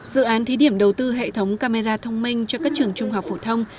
dự án thí điểm đầu tư hệ thống camera thông minh cho các trường trung học phổ thông